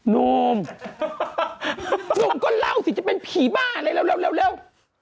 นุ่มนุ่มก็เล่าสิจะเป็นผีบ้าอะไรเร็วเร็วเร็วเร็ว